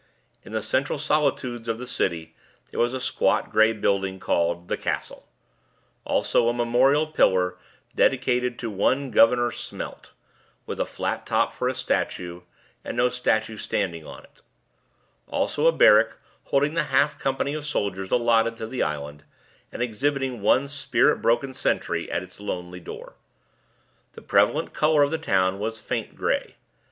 In the central solitudes of the city, there was a squat gray building called "the castle"; also a memorial pillar dedicated to one Governor Smelt, with a flat top for a statue, and no statue standing on it; also a barrack, holding the half company of soldiers allotted to the island, and exhibiting one spirit broken sentry at its lonely door. The prevalent color of the town was faint gray.